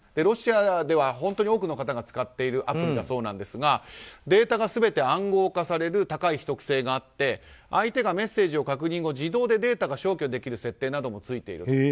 ロシアでは本当に多くの方が使っているアプリだそうなんですがデータが全て暗号化される高い秘匿性があって相手がメッセージを確認後自動でデータが消去できる設定などもついている。